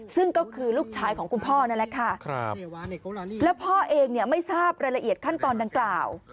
ซึ่งก็คือลูกชายของคุณพ่อนั่นแหละค่ะแล้วพ่อเองเนี่ยไม่ทราบรายละเอียดขั้นตอนดังกล่าว